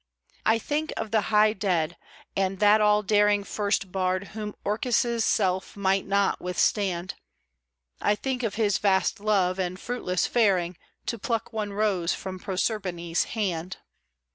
I think of the high dead, and that all daring First bard whom Orcus' self might not withstand, I think of his vast love, and fruitless faring, To pluck one rose from Proserpine's hand.